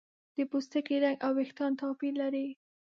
د پوستکي رنګ او ویښتان توپیر لري.